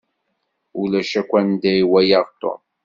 Ulac akk anda i walaɣ Tom.